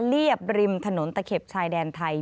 เรียบริมถนนตะเข็บชายแดนไทย